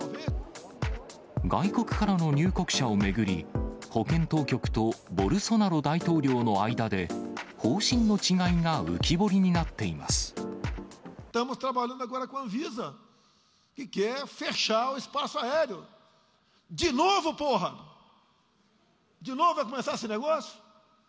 外国からの入国者を巡り、保健当局とボルソナロ大統領の間で、方針の違いが浮き彫りになっています。